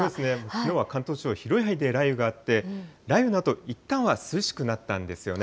きのうは関東地方、広い範囲で雷雨があって、雷雨のあと、いったんは涼しくなったんですよね。